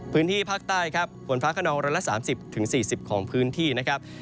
พื้นที่ภาคใต้ครับฝนฟ้าขนอง๑๓๐๔๐ของพื้นที่นะครับ